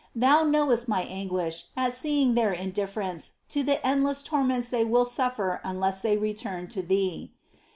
Thou knowest my anguish at seeing their indifference to the endless tor ments they will suffer unless they return to Thee.